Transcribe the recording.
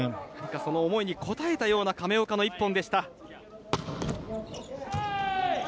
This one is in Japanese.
その思いに応えたような亀岡の１本でした。